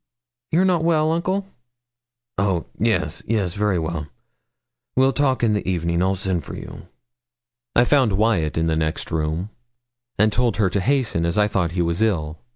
'You're not well, uncle?' 'Oh! yes, very well. We'll talk in the evening I'll send for you.' I found Wyat in the next room, and told her to hasten, as I thought he was ill.